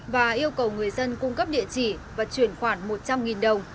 và yêu cầu người dân cung cấp địa chỉ và chuyển khoản một trăm linh đồng